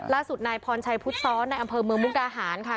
นายพรชัยพุทธซ้อนในอำเภอเมืองมุกดาหารค่ะ